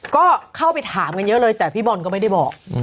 ก็เข้าไปถามกันเยอะเลยแต่พี่บอลก็ไม่ได้บอก